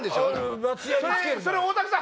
それ大竹さん。